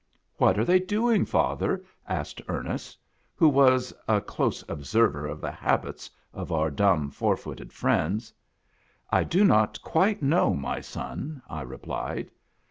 "What are they doing, father ?" asked Ernest, who was a close observer of the habits of our dumb four footed friends. " I do not quite know, my son," I replied.